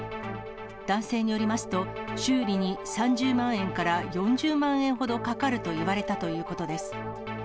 男性によりますと、修理に３０万円から４０万円ほどかかると言われたということです。